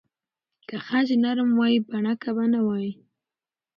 که خج نرم وای، بڼکه به نه وای.